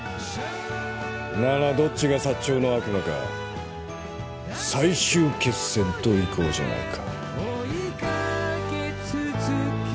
ならどっちがサッチョウの悪魔か最終決戦といこうじゃないか。